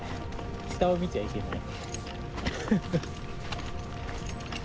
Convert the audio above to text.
下を見ちゃいけない。